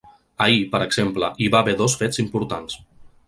Ahir, per exemple, hi va a ver dos fets importants.